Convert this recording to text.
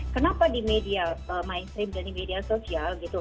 kenapa di media mainstream dan di media sosial gitu